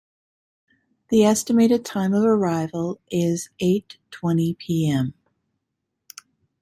The estimated time of arrival is eight twenty pm.